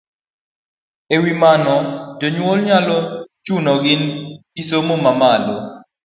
E wi mano, jonyuol nyalo chunogi gi somo mamalo.